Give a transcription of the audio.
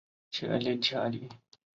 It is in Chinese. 努伊隆蓬。